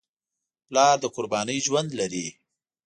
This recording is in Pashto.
پلار د قربانۍ ژوند لري.